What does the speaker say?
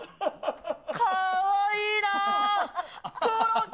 かわいい。